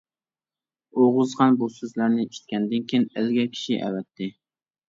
ئوغۇزخان بۇ سۆزلەرنى ئىشىتكەندىن كېيىن، ئەلگە كىشى ئەۋەتتى.